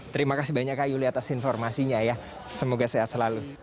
terima kasih banyak kak yuli atas informasinya ya semoga sehat selalu